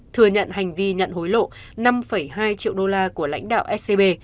thừa nhận hành vi nhận hối lộ năm hai triệu đô la của lãnh đạo scb